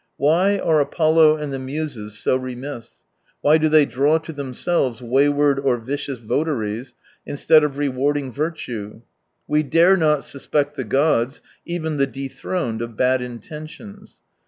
Why are Apollo and the Muses so remiss f Why do they draw to themselves wayward or vicious votaries, instead of rewarding virtue ? We dare not suspect the gods, even the de throned, of bad intentions.